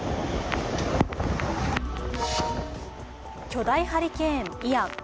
巨大ハリケーン、イアン。